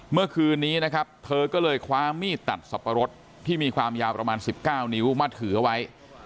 เมื่อคืนนี้นะครับเธอก็เลยคว้ามีดตัดสับปะรดที่มีความยาวประมาณ๑๙นิ้วมาถือเอาไว้